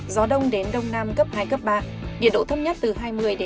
gió đông đến đông nam cấp hai ba nhiệt độ thấp nhất từ hai mươi hai mươi ba độ